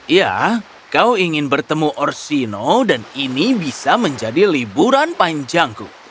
ya kau ingin bertemu orsino dan ini bisa menjadi liburan panjangku